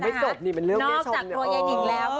นอกจากตัวยายนิงแล้ว